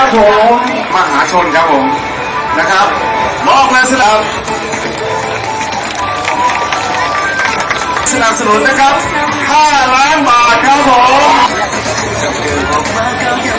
สนับสนุนนะครับค่าแรงบาทครับผม